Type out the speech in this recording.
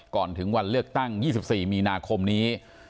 ก่อนถึงวันเลือกตั้ง๒๔มีนาคมนี้